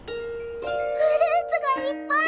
フルーツがいっぱい！